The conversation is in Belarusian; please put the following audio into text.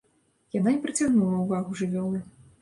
Яна і прыцягнула ўвагу жывёлы.